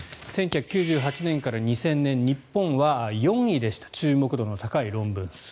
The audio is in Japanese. １９９８年から２０００年日本は４位でした注目度の高い論文数。